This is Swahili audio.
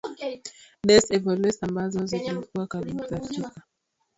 des évolués ambazo zilikuwa klabu za Waafrika wenye elimu ya kibelgiji na kutazamwa kuwa